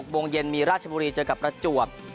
โมงเย็นมีราชบุรีเจอกับประจวบ